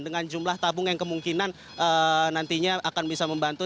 dengan jumlah tabung yang kemungkinan nantinya akan bisa membantu